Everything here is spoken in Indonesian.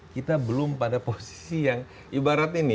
kita belum pada posisi yang ibarat ini